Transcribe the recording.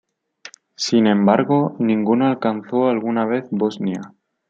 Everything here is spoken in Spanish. Sin embargo ninguno alcanzó alguna vez Bosnia.